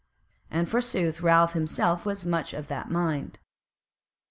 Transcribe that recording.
And forsooth Ralph himself was much of that mind.